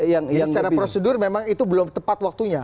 jadi secara prosedur memang itu belum tepat waktunya